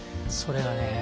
それがね。